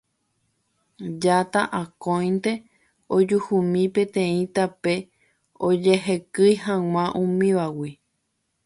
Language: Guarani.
Jata akóinte ojuhúmi peteĩ tape ojehekýi hag̃ua umívagui.